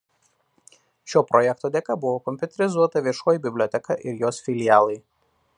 Šio projekto dėka buvo kompiuterizuota Viešoji biblioteka ir jos filialai.